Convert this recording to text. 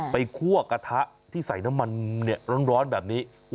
ไปคั่วกระทะที่ใส่น้ำมันเนี้ยร้อนร้อนแบบนี้